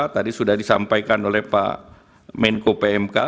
tadi sudah disampaikan oleh pak menko pmk